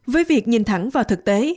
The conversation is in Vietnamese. với việc nhìn thẳng vào thực tế